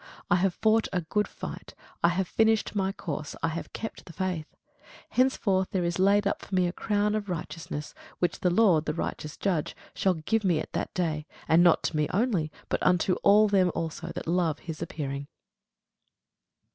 I have fought a good fight, I have finished my course, I have kept the faith: henceforth there is laid up for me a crown of righteousness, which the Lord, the righteous judge, shall give me at that day: and not to me only, but unto all them also that love his appearing.